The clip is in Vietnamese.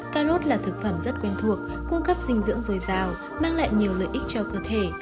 cà rốt là thực phẩm rất quen thuộc cung cấp dinh dưỡng dồi dào mang lại nhiều lợi ích cho cơ thể